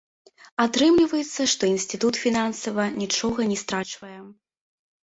Атрымліваецца, што інстытут фінансава нічога не страчвае.